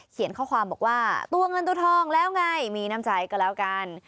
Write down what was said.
ข้อความบอกว่าตัวเงินตัวทองแล้วไงมีน้ำใจก็แล้วกัน